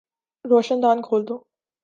روشن دان کھول دو